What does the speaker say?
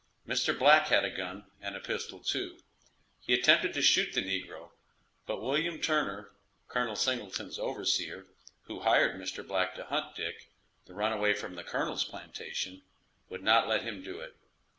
Mr. Black had a gun and pistol, too; he attempted to shoot the negro, but William Turner, Col. Singleton's overseer, who hired Mr. Black to hunt Dick, the runaway from the colonel's plantation, would not let him do it.